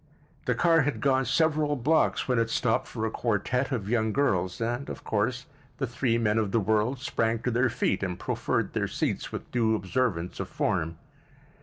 The car had gone several blocks when it stopped for a quartet of young girls, and, of course, the three men of the world sprang to their feet and proffered their seats with due observance of form.